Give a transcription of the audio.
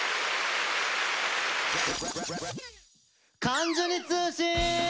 「関ジュニ通信」！